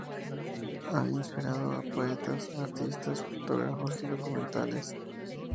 Ha inspirado a poetas, artistas, fotógrafos y documentales.